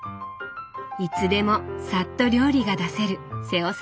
いつでもさっと料理が出せる瀬尾さんの知恵。